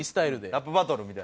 ラップバトルみたいなん。